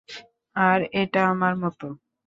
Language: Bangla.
আর এটা আমার মত।